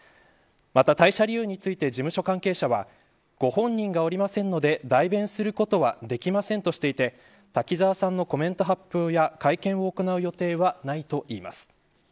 退社理由について事務所関係者はご本人がおりませんので代弁することはできませんとしていて滝沢さんのコメント発表や会見を行う予定はないといいます。